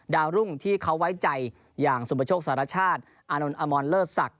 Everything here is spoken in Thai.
ดาวรุ่งที่เขาไว้ใจอย่างสุปโชคสารชาติอานนท์อมรเลิศศักดิ